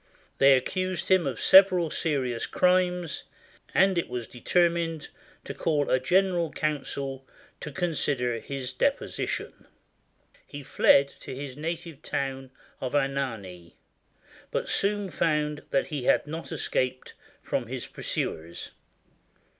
They accused him of several serious crimes, and it was determined to call a general council to consider his deposi tion. He filed to his native town of Anagni, but soon found that he had not escaped from his pursuers.